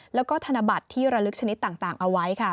แล้วก็ธนบัตรที่ระลึกชนิดต่างเอาไว้ค่ะ